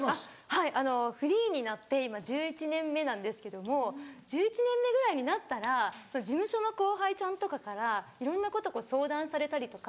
はいフリーになって今１１年目なんですけども１１年目ぐらいになったら事務所の後輩ちゃんとかからいろんなこと相談されたりとか。